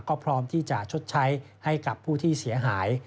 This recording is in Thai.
ก็พร้อมที่จะชดใช้ให้กับผู้ที่เสียหาย